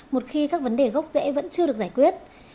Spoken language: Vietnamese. một khi các vấn đề gốc rễ vẫn chưa được giải quyết